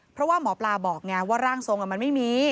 เพราะว่าหมอปลาบอกไงว่าร่างทรงมันไม่มี